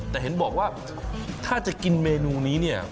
แต่เห็นบอกว่าถ้าจะกินเมนูนี้เนี่ย